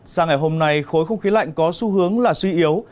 sáng ngày hôm nay khối không khí lạnh có xu hướng là suy yếu